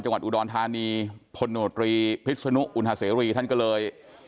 จังหวัดอุดรธานีพลโนตรีพิษนุอุณหาเสรีท่านก็เลย